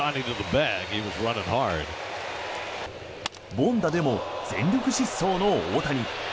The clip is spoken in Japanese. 凡打でも全力疾走の大谷。